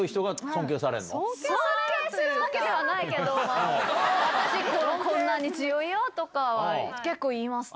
尊敬するわけではないけど、私、こんなに強いよとかは、結構言いますね。